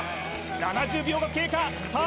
７０秒が経過さあ